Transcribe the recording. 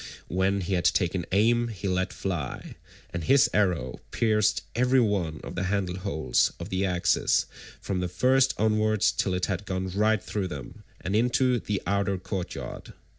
When he had taken aim he let fly, and his arrow pierced every one of the handle holes of the axes from the first onwards till it had gone right through them, and into the outer courtyard.